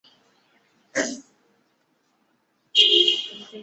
他们的翅膀经常画有很多眼睛。